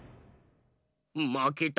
まけた。